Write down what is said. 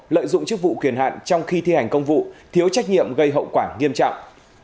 lợi dụng chức vụ kiền hạn trong khi thi hành công vụ thiếu trách nhiệm gây hậu quả nghiêm trọng